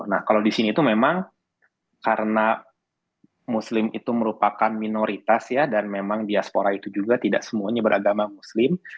nah kalau di sini itu memang karena muslim itu merupakan minoritas ya dan memang diaspora itu juga tidak semuanya beragama muslim